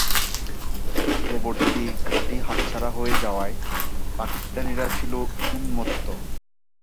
অগ্রবর্তী ঘাঁটি হাতছাড়া হয়ে যাওয়ায় পাকিস্তানিরা ছিল উন্মত্ত।